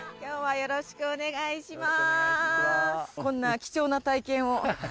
よろしくお願いします。